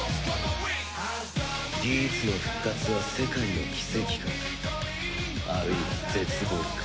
ギーツの復活は世界の奇跡かあるいは絶望か。